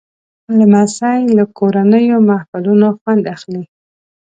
لمسی له کورنیو محفلونو خوند اخلي.